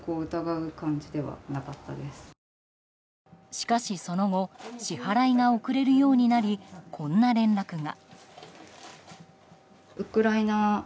しかし、その後支払いが遅れるようになりこんな連絡が。